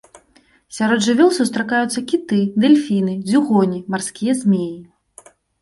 Сярод жывёл сустракаюцца кіты, дэльфіны, дзюгоні, марскія змеі.